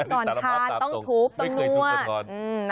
นอนทานต้องทุบตรงนั้น